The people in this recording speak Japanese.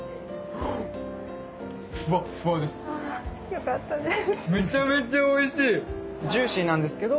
よかったです。